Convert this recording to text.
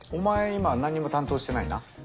今何にも担当してないな？